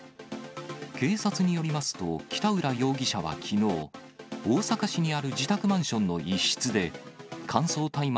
警察によりますと、北浦容疑者はきのう、大阪市にある自宅マンションの一室で、乾燥大麻